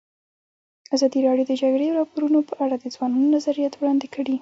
ازادي راډیو د د جګړې راپورونه په اړه د ځوانانو نظریات وړاندې کړي.